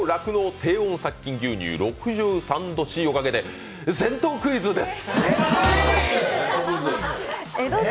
低温殺菌牛乳６３℃をかけて銭湯クイズです。